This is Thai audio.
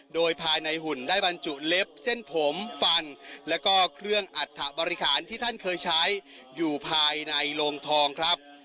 โดยภายในหุ่นได้บรรจุเล็บเส้นผมฟันแล้วก็เครื่องอัฐบริหารที่ท่านเคยใช้อยู่ภายในโรงทองครับ